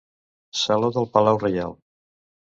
Saló del palau reial.